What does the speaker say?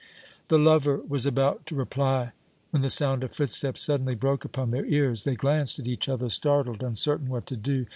'" The lover was about to reply when the sound of footsteps suddenly broke upon their ears. They glanced at each other, startled, uncertain what to do.